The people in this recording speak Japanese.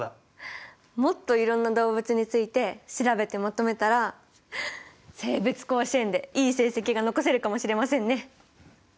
もっといろんな動物について調べてまとめたら生物甲子園でいい成績が残せるかもしれませんね。